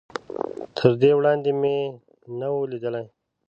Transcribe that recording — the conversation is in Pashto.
تر دې وړاندې مې نه و ليدلی.